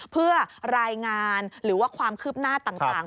เพื่อรายงานหรือว่าความคืบหน้าต่าง